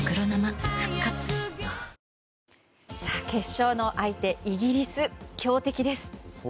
決勝の相手、イギリス強敵です。